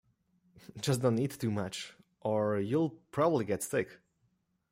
Just don't eat too much, or you'll probably get sick.